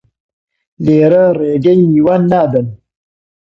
لیرە ڕێگەی میوان نادەن